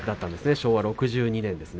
昭和６２年です。